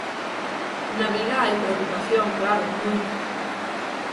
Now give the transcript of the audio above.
Na vila hai preocupación, claro, moita.